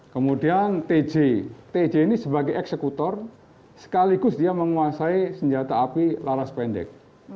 kemudian tj tj ini sebagai eksekutor sekaligus dia menguasai senjata api laras pendek